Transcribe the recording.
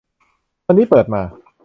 วันนี้เปิดมา